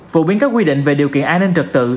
phổ biến các quy định về điều kiện an ninh trật tự